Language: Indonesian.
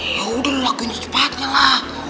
ya udah lo lakuin secepatnya lah